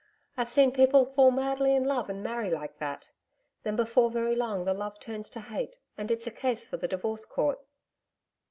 I've seen people fall madly in love and marry like that. Then before very long the love turns to hate and it's a case for the Divorce Court.'